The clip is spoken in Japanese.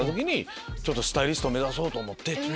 「スタイリスト目指そうと思って。